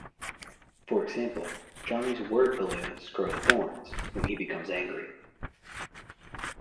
For example, Johnny's word balloons grow thorns when he becomes angry.